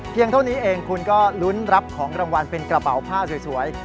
เท่านี้เองคุณก็ลุ้นรับของรางวัลเป็นกระเป๋าผ้าสวย